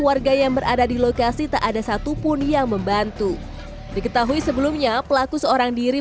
warga yang berada di lokasi tak ada satupun yang membantu diketahui sebelumnya pelaku seorang diri